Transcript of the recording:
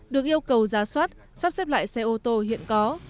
được yêu cầu giá soát sắp xếp lại xe ô tô hiện có